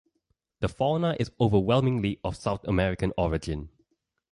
The fauna is overwhelmingly of South American origin.